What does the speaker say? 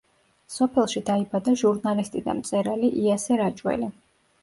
სოფელში დაიბადა ჟურნალისტი და მწერალი იასე რაჭველი.